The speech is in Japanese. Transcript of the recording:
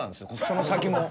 その先も。